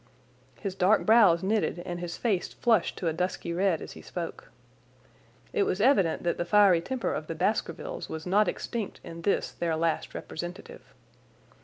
His dark brows knitted and his face flushed to a dusky red as he spoke. It was evident that the fiery temper of the Baskervilles was not extinct in this their last representative.